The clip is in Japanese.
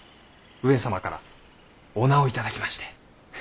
上様からお名を頂きまして。